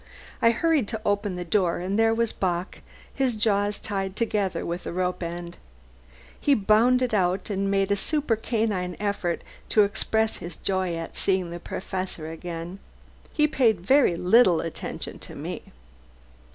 I hurried to open the door, and there was Bock, his jaws tied together with a rope end. He bounded out and made super canine efforts to express his joy at seeing the Professor again. He paid very little attention to me.